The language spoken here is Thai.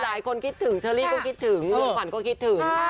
หลายคนคิดถึงเชอรี่ก็คิดถึงคุณขวัญก็คิดถึง